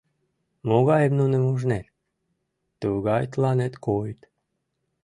Могайым нуным ужнет, тугай тыланет койыт.